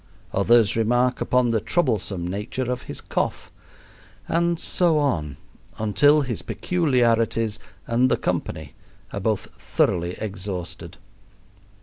Others remark upon the troublesome nature of his cough. And so on, until his peculiarities and the company are both thoroughly exhausted.